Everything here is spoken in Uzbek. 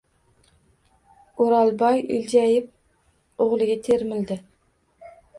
O’rolboy iljayib, o‘g‘liga termuldi